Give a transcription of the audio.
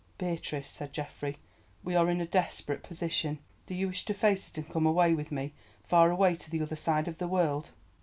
"Beatrice," said Geoffrey, "we are in a desperate position. Do you wish to face it and come away with me, far away to the other side of the world?"